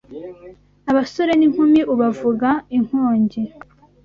Abasore n’inkumi ubavuga inkongi